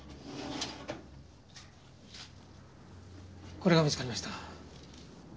これが見つかりました。